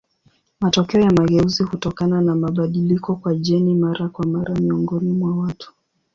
Matokeo ya mageuzi hutokana na mabadiliko kwa jeni mara kwa mara miongoni mwa watu.